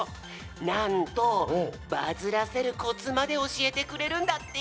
なんとバズらせるコツまでおしえてくれるんだって！